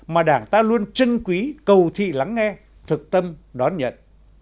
mà đảng ta luôn chân quý cầu thị lắng nghe thực tâm đón nhận